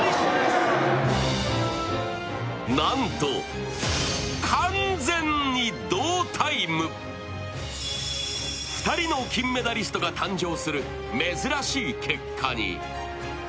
なんと２人の金メダリストが誕生する珍しい結果に。